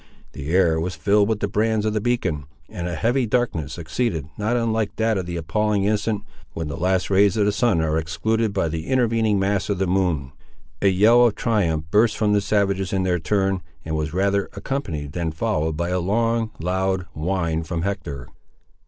The air was filled with the brands of the beacon, and a heavy darkness succeeded, not unlike that of the appalling instant, when the last rays of the sun are excluded by the intervening mass of the moon. A yell of triumph burst from the savages in their turn, and was rather accompanied than followed by a long, loud whine from Hector.